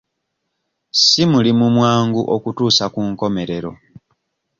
Si mulimu mwangu okutuusa ku nkomerero.